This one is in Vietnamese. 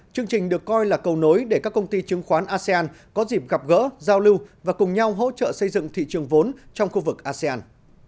chương trình được coi là cầu nối để các công ty chứng khoán asean có dịp gặp gỡ giao lưu và cùng nhau hỗ trợ xây dựng thị trường vốn trong khu vực asean